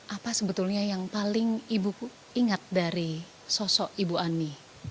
apa sebetulnya yang paling ibu ingat dari sosok ibu ani